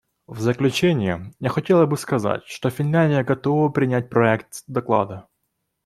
В заключение я хотела бы сказать, что Финляндия готова принять проект доклада.